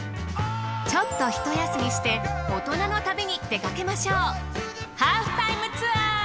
ちょっと一休みして大人の旅に出かけましょう。